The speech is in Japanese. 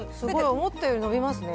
思ったより伸びますね。